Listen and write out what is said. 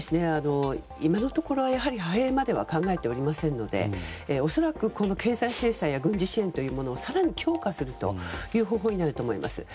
今のところは派兵までは考えておりませんので恐らく、経済制裁や軍事支援を更に強化するという方法になると思います。